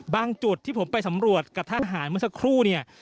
จุดที่ผมไปสำรวจกับทหารเมื่อสักครู่เนี่ย